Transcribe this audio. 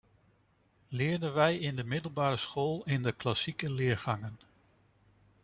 Leerden wij in de middelbare school in de klassieke leergangen.